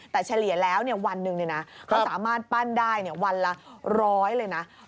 แต่เฉลี่ยแล้ววันหนึ่งก็สามารถปั้นได้วันละร้อยเลยนะ